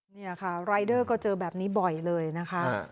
นี่ค่ะรายเดอร์ก็เจอแบบนี้บ่อยเลยนะคะ